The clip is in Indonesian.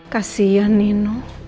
kasian nih no